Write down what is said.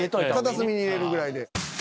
片隅に入れるぐらいで。